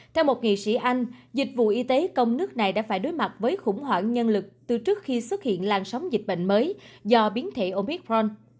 theo một nghị sĩ anh dịch vụ y tế công nước này đã phải đối mặt với khủng hoảng nhân lực từ trước khi xuất hiện làn sóng dịch bệnh mới do biến thể obicron